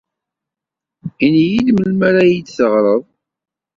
Ini-iyi-d melmi ara iyi-d-teɣreḍ.